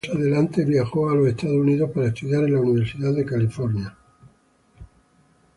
Más adelante, viajó a los Estados Unidos para estudiar en la Universidad de California.